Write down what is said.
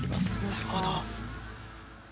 なるほど。